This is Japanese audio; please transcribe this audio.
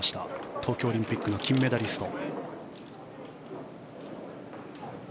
東京オリンピックの金メダリスト。